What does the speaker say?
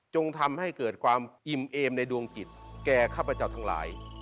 ทำให้เกิดความอิ่มเอมในดวงจิตแก่ข้าพเจ้าทั้งหลาย